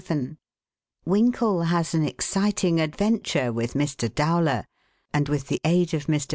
VII WINKLE HAS AN EXCITING ADVENTURE WITH MR. DOWLER, AND WITH THE AID OF MR.